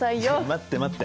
待って待って。